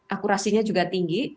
akurasinya juga tinggi